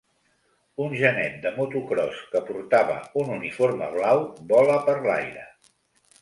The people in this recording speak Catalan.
Un genet de motocròs que portava un uniforme blau vola per l'aire.